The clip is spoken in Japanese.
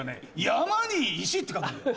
山に石って書くんだよ。